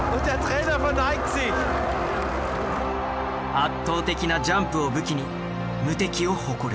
圧倒的なジャンプを武器に無敵を誇る。